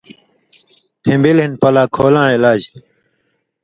پِھݩبِل ہِن پلاک ہولاں علاج